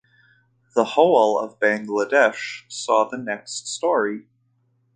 The whole of Bangladesh saw the next story.